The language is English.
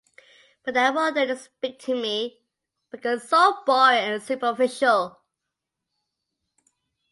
But that role didn't speak to me, because it's so boring and superficial.